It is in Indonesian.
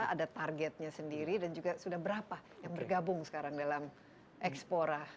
ada targetnya sendiri dan juga sudah berapa yang bergabung sekarang dalam eksplora